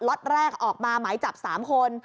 ล็อตแรกออกมาหมายจับ๓คน